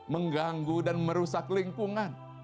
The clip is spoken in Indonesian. mengganggu dan merusak lingkungan